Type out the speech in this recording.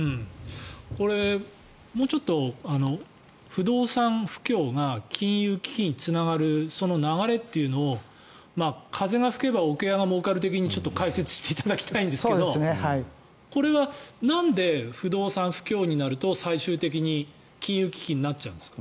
これ、もうちょっと不動産不況が金融危機につながるその流れというのを風が吹けば桶屋がもうかる的に解説していただきたいんですけどこれはなんで不動産不況になると最終的に金融危機になっちゃうんですか？